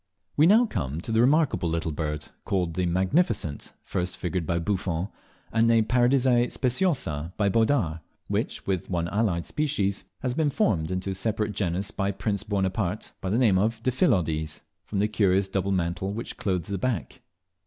We now come to the remarkable little bird called the "Magnificent," first figured by Buffon, and named Paradisea speciosa by Boddaert, which, with one allied species, has been formed into a separate genus by Prince Buonaparte, under the name of Diphyllodes, from the curious double mantle which clothes the back.